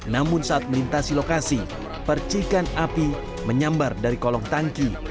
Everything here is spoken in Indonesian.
namun saat melintasi lokasi percikan api menyambar dari kolong tangki